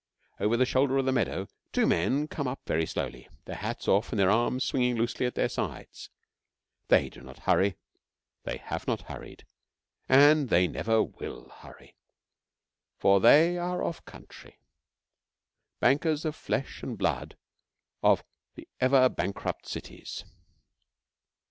Over the shoulder of the meadow two men come up very slowly, their hats off and their arms swinging loosely at their sides. They do not hurry, they have not hurried, and they never will hurry, for they are of country bankers of the flesh and blood of the ever bankrupt cities.